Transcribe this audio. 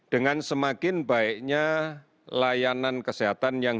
dengan semakin baiknya layaknya